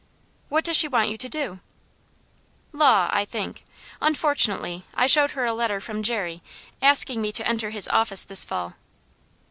"What does she want you to do?" "Law, I think. Unfortunately, I showed her a letter from Jerry asking me to enter his office this fall."